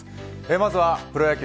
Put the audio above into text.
まずはプロ野球